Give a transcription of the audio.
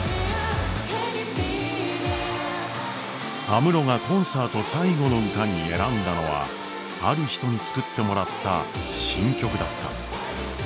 安室がコンサート最後の歌に選んだのはある人に作ってもらった新曲だった。